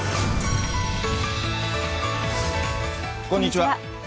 こんにちは。